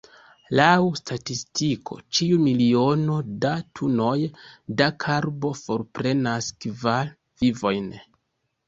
Laŭ statistiko, ĉiu miliono da tunoj da karbo forprenas kvar vivojn.